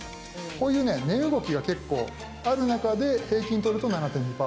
こういうね値動きが結構ある中で平均とると「７．２％」だよ。